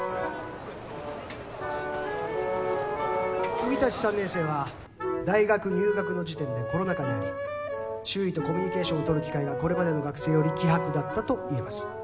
君たち３年生は大学入学の時点でコロナ禍にあり周囲とコミュニケーションをとる機会がこれまでの学生より希薄だったといえます。